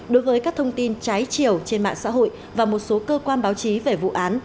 đối với các thông tin trái chiều trên mạng xã hội và một số cơ quan báo chí về vụ án